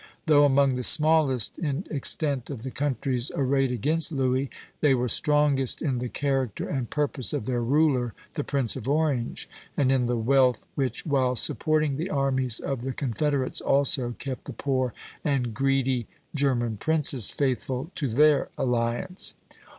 Though among the smallest in extent of the countries arrayed against Louis, they were strongest in the character and purpose of their ruler, the Prince of Orange, and in the wealth which, while supporting the armies of the confederates, also kept the poor and greedy German princes faithful to their alliance.